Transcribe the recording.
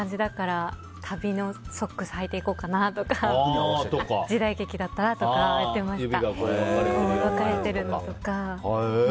この役はこういう感じだから足袋のソックスをはいていこうかなとか時代劇だったらとかやってました。